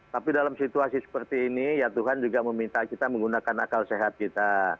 tapi dalam situasi seperti ini ya tuhan juga meminta kita menggunakan akal sehat kita